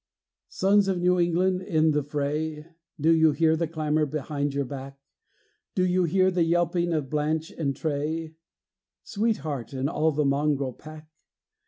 Sons of New England, in the fray, Do you hear the clamor behind your back? Do you hear the yelping of Blanche and Tray? Sweetheart, and all the mongrel pack?